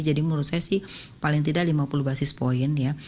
jadi menurut saya sih paling tidak lima puluh basis point ya